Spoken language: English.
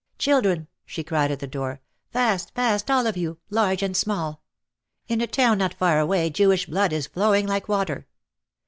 "Children !" she cried at the door. "Fast ! fast all of you, large and small. In a town not far away Jewish blood is flowing like water.